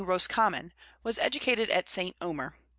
Roscommon, was educated at St. Omer.